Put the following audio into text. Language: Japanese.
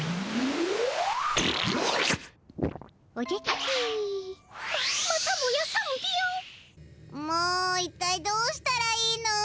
んもいったいどうしたらいいの！